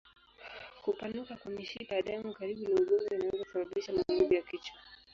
Kupanuka kwa mishipa ya damu karibu na ubongo inaweza kusababisha maumivu ya kichwa.